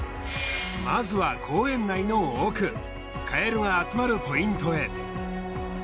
まずは公園内の奥カエルが集まるポイントへ。